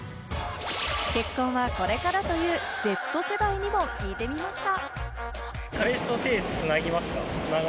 結婚はこれからというＺ世代にも聞いてみました。